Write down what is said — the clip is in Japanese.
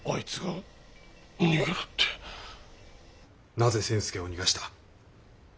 なぜ千助を逃がした？